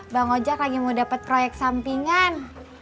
bang ojak lagi mau dapet proyek sampingan